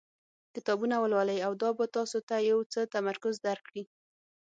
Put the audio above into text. کتابونه ولولئ او دا به تاسو ته یو څه تمرکز درکړي.